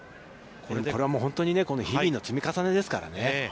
これは本当に日々の積み重ねですからね。